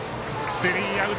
スリーアウト。